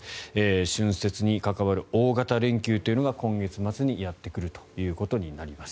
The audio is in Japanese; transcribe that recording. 春節にかかる大型連休というのが今月末にやってくるということになります。